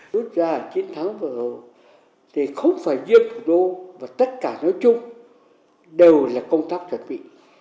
rút ra chiến thắng vừa rồi thì không phải riêng thủ đô và tất cả nói chung đều là công tác chuẩn bị